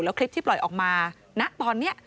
แล้วคลิปที่ปล่อยออกมาณตอนนี้